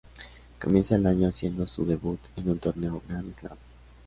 Comienza el año haciendo su debut en un torneo Grand Slam.